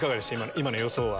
今の予想は。